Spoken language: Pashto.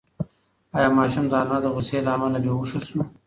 ایا ماشوم د انا د غوسې له امله بېهوښه شو؟